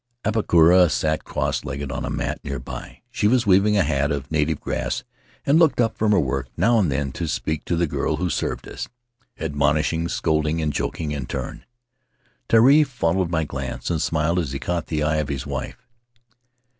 Apakura sat cross legged on a mat near by; she was weaving a hat of native grass and looked up from her work now and then to speak to the girl who served us — admonishing, scolding, and joking in turn. Tari fol lowed my glance, and smiled as he caught the eye of his wife.